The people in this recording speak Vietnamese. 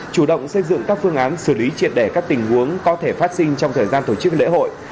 chủ động xây dựng các phương án xử lý triệt đẻ các tình huống có thể phát sinh trong thời gian tổ chức lễ hội